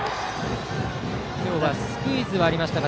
今日はスクイズはありましたが